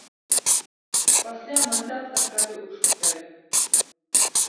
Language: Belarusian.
Пасля мой татка трапіў у шпіталь.